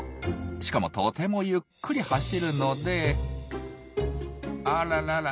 しかもとてもゆっくり走るのであららら！